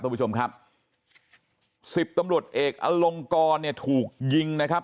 คุณผู้ชมครับสิบตำรวจเอกอลงกรเนี่ยถูกยิงนะครับ